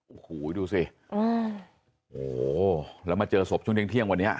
โอ้โหดูสิโอ้โหแล้วมาเจอศพช่วงเที่ยงวันนี้